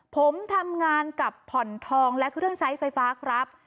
ผมทำงานกับผ่อนทองและเครื่องใช้ไฟฟ้าครับ